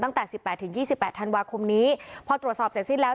ตั้งแต่สิบแปดถึงยี่สิบแปดธันวาคมนี้พอตรวจสอบเสร็จสิ้นแล้ว